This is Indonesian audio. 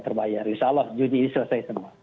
terbayar insyaallah juni ini selesai semua